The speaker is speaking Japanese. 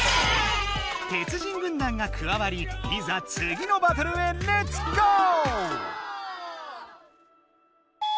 鉄人軍団がくわわりいざつぎのバトルへレッツゴー！